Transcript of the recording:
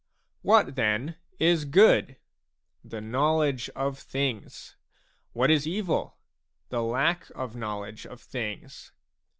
What then is good ? The knowledge of things. What is evil? The lack of knowledge of things.